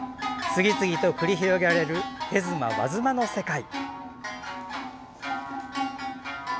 次々と繰り広げられる手妻、和妻の世界。